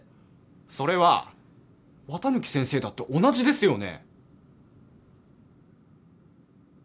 それは綿貫先生だって同じですよね？